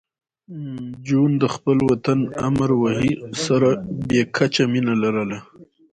جون د خپل وطن امروهې سره بې کچه مینه لرله